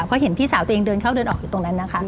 เพราะเห็นพี่สาวตัวเองเดินเข้าเดินออกอยู่ตรงนั้นนะคะ